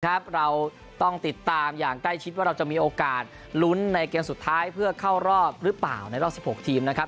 เราต้องติดตามอย่างใกล้ชิดว่าเราจะมีโอกาสลุ้นในเกมสุดท้ายเพื่อเข้ารอบหรือเปล่าในรอบ๑๖ทีมนะครับ